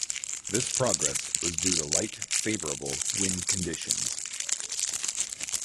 This progress was due to light favorable wind conditions.